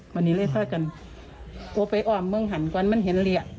มันนี่เลยภาพก่อนอู๊บไปอ้อมมึงหั่นกว้างมันเหลี่ย